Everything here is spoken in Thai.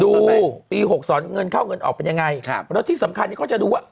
ดูปี๖๒เงินเข้าเงินออกเป็นยังไงแล้วที่สำคัญก็จะรู้ว่า